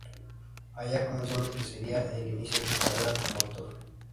Allá comenzó lo que sería el inicio de su carrera como actor.